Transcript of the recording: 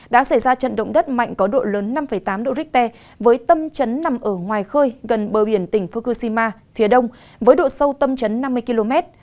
đã xảy ra trận động đất mạnh có độ lớn năm tám độ richter với tâm trấn nằm ở ngoài khơi gần bờ biển tỉnh fukushima phía đông với độ sâu tâm chấn năm mươi km